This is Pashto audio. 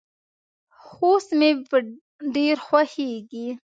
خوست مې ډیر خوښیږي.